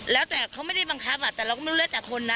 แล้วแต่เขาไม่ได้บังคับแต่เราก็ไม่รู้เลือดจากคนนะ